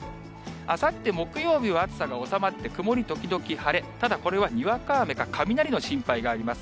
あさって木曜日は暑さが収まって、曇り時々晴れ、ただこれはにわか雨か雷の心配があります。